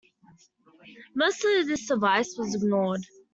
Most of this advice was ignored.